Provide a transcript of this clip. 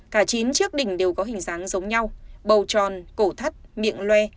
cả chín chiếc đỉnh đều có hình dáng giống nhau bầu tròn cổ thắt miệng loe